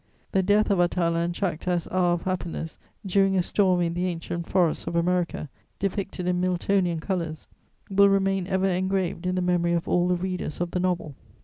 The death of Atala and Chactas' hour of happiness, during a storm in the ancient forests of America, depicted in Miltonian colours, will remain ever engraved in the memory of all the readers of the novel.